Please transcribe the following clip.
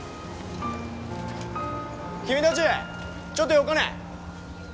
君たちちょっとよかね。